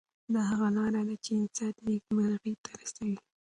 دا هغه لار ده چې انسان نیکمرغۍ ته رسوي.